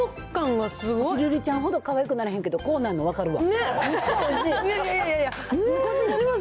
こじるりちゃんほどかわいくならへんけど、こうなんの分かるわ。